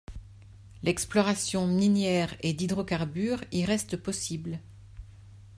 L'exploration minière et d'hydrocarbures y reste possible.